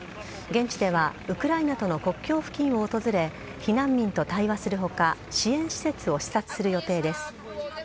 現地ではウクライナとの国境付近を訪れ避難民と対話する他支援施設を視察する予定です。